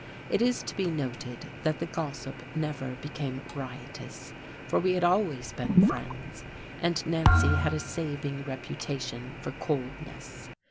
It is to be noted that the gossip never became riotous, for we had always been friends, and Nancy had a saving reputation for coldness.